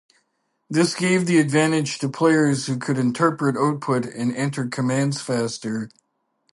This gave the advantage to players who could interpret output and enter commands faster.